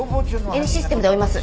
Ｎシステムで追います。